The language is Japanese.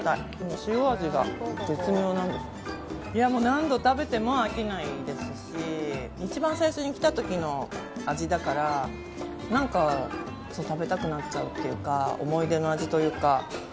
何度食べても飽きないですし一番最初に来た時の味だから何か食べたくなっちゃうというか思い出の味というか。